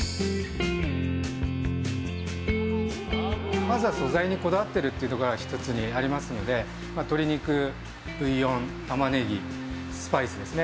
まずは、素材にこだわっているというのがありますので鶏肉、ブイヨン、タマネギスパイスですね。